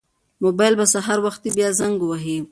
موبایل به سهار وختي بیا زنګ وهي.